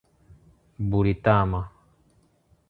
Buritama